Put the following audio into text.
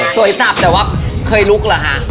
สับแต่ว่าเคยลุกเหรอคะ